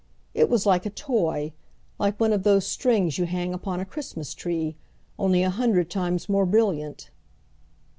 It was like a toy, like one of those strings you hang upon a Christmas tree, only a hundred times more brilliant.